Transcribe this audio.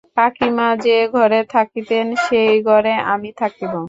কাকীমা যে ঘরে থাকিতেন, সেই ঘরে আমি থাকিব।